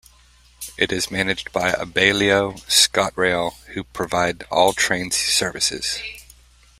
It is managed by Abellio ScotRail, who provide all train services.